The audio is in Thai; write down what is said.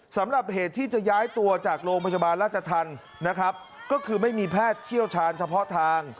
สำหรับเหตุที่จะย้ายตัวจากโรงพยาบาลราชธรรมนะครับก็คือไม่มีแพทย์เชี่ยวชาญเฉพาะทาง